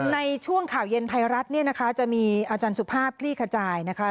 ในช่วงข่าวเย็นไทยรัฐเนี่ยนะคะจะมีอาจารย์สุภาพคลี่ขจายนะคะ